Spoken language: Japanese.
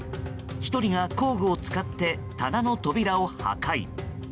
１人が工具を使って棚の扉を破壊。